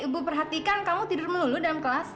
ibu perhatikan kamu tidur melulu dalam kelas